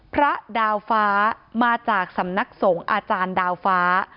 พระดาวฟ้ามาจากสำนักสงฆ์อาจารย์ดาวฟ้า